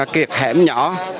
kiệt hẻm nhỏ